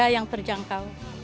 harga yang terjangkau